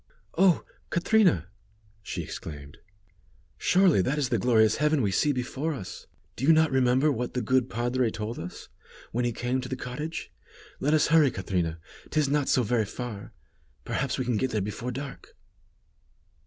"Oh! Catrina," she exclaimed, "surely that is the glorious heaven we see before us. Do you not remember what the good padre told us, when he came to the cottage? Let us hurry, Catrina, 'tis not so very far. Perhaps we can get there before dark."